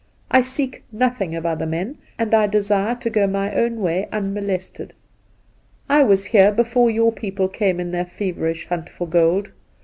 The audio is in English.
I seek 'nothing of other men, and I desire to go my own way unmolested. I was here, before your people came in their feverish hunt for gold.